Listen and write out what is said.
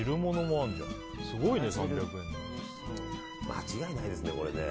間違いないですね、これね。